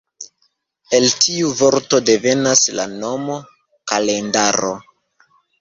El tiu vorto devenas la nomo “kalendaro”.